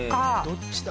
どっちだ？